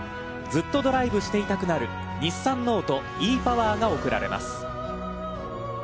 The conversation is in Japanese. ずっとドライブしていたくなる日産ノートｅ−ＰＯＷＥＲが贈られます。